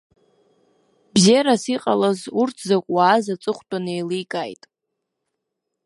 Бзиарас иҟалаз урҭ закә уааз аҵыхәтәаны еиликааит.